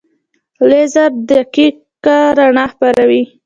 لیزر دقیقه رڼا خپروي.